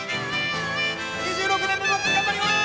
２６年目も頑張ります！